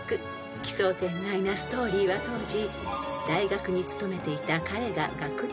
［奇想天外なストーリーは当時大学に勤めていた彼が］